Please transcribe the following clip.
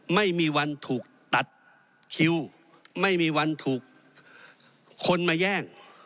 ไม่มีวันถูกตัดคิวไม่มีวันถูกคนมาแย่ง